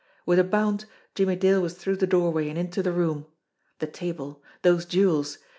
With a bound, Jimmie Dale was through the doorway and into the room. The table those jewels!